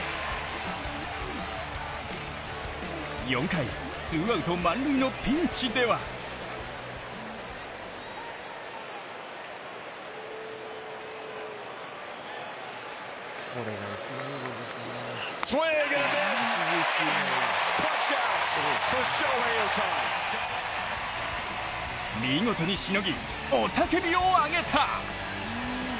４回ツーアウト満塁のピンチでは見事にしのぎ、雄たけびをあげた。